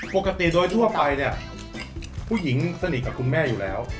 ปกติโดยทั่วไปเนี่ยผู้หญิงสนิทกับคุณแม่อยู่แล้ว